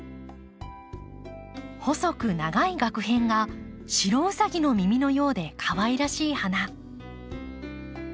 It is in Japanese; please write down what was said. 細く長いガク片が白うさぎの耳のようでかわいらしい花。